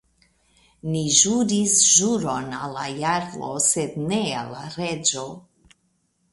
Ni ĵuris ĵuron al la jarlo, sed ne al la reĝo.